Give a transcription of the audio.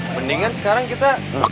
mendingan sekarang kita